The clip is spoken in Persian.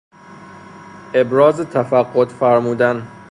ابراز تفقد فرمودن